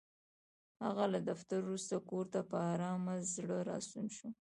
هغه له دفتره وروسته کور ته په ارامه زړه راستون شو.